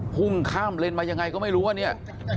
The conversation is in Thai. พุ่งข้ามเลนมายังไงก็ไม่รู้ว่าเนี่ย